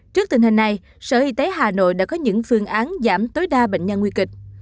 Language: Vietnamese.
trước tình hình này sở y tế hà nội đã có những phương án giảm tối đa bệnh nhân nguy kịch